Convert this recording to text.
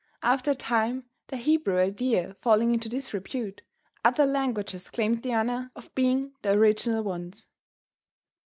After a time, the Hebrew idea falling into disrepute, other languages claimed the honor of being the original ones.